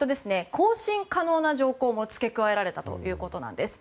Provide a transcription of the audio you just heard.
更新可能な条項も付け加えられたということです。